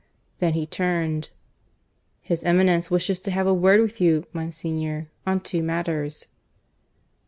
Then he turned. "His Eminence wishes to have a word with you, Monsignor, on two matters."